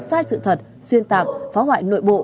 sai sự thật xuyên tạc phá hoại nội bộ